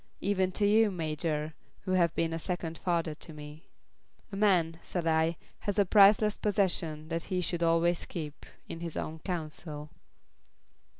"Even to you, Major, who have been a second father to me." "A man," said I, "has a priceless possession that he should always keep his own counsel."